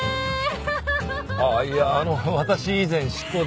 ああいやあの私以前執行で。